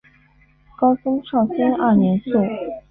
高宗绍兴二年卒。